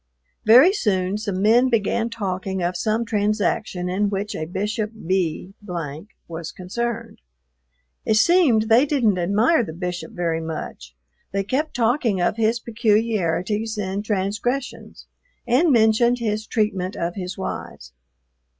Very soon some men began talking of some transaction in which a Bishop B was concerned. It seemed they didn't admire the Bishop very much; they kept talking of his peculiarities and transgressions, and mentioned his treatment of his wives.